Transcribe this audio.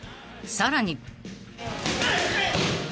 ［さらに］